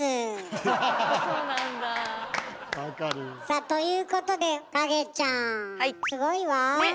さあということで影ちゃんすごいわ。ね！